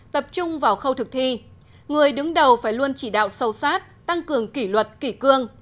tập trung vào khâu thực thi người đứng đầu phải luôn chỉ đạo sâu sát tăng cường kỷ luật kỷ cương